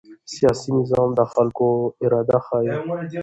سیاسي نظام د خلکو اراده ښيي